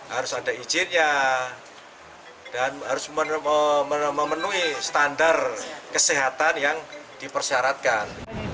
harus ada izinnya dan harus memenuhi standar kesehatan yang dipersyaratkan